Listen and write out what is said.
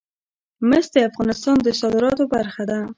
مس د افغانستان د صادراتو برخه ده.